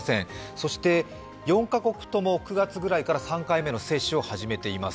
そして４カ国とも９月ぐらいから３回目の接種を始めています。